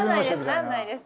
なんないです。